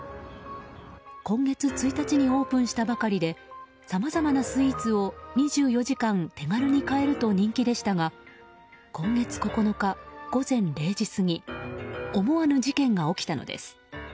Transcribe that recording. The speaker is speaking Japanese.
今月１日にオープンしたばかりでさまざまなスイーツを２４時間手軽に買えると人気でしたが今月９日午前０時過ぎ思わぬ事件が起きたのです。